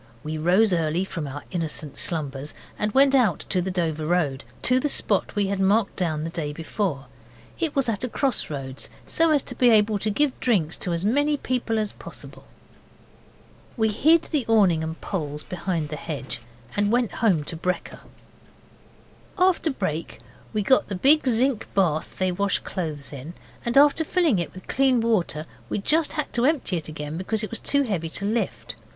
We rose early from our innocent slumbers, and went out to the Dover Road to the spot we had marked down the day before. It was at a cross roads, so as to be able to give drinks to as many people as possible. We hid the awning and poles behind the hedge and went home to brekker. After brek we got the big zinc bath they wash clothes in, and after filling it with clean water we just had to empty it again because it was too heavy to lift.